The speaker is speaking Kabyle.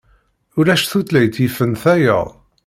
Ulac tutlayt yifen tayeḍ.